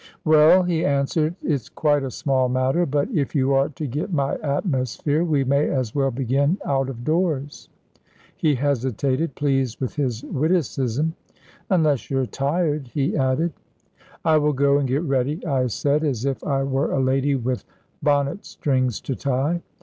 "Well," he answered, "it's quite a small matter. But, if you are to get my atmosphere, we may as well begin out of doors." He hesitated, pleased with his witticism; "Unless you're tired," he added. "I will go and get ready," I said, as if I were a lady with bonnet strings to tie.